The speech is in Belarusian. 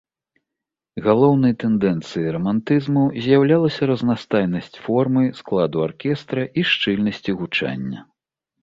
Галоўнай тэндэнцыяй рамантызму з'яўлялася разнастайнасць формы, складу аркестра і шчыльнасці гучання.